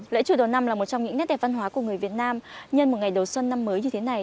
lễ chùa đầu năm là một trong những nét đẹp văn hóa của người việt nam nhân một ngày đầu xuân năm mới như thế này